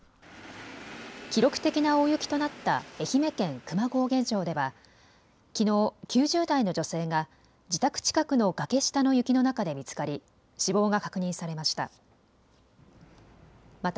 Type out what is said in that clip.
記録的な大雪となった愛媛県久万高原町ではきのう９０代の女性が自宅近くの崖下の雪の中で見つかり死亡が確認されました。